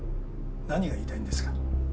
何が言いたいんですか？